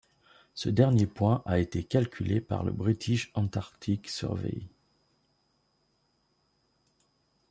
Ce dernier point a été calculé par le British Antarctic Survey.